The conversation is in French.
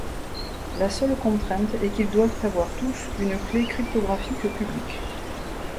La seule contrainte est qu’ils doivent tous avoir une clef cryptographique publique.